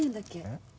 えっ？